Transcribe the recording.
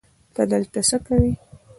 ته دلته څه کوی